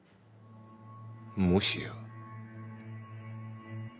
もしや。